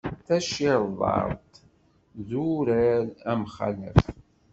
Tacirḍart d urar amxalef.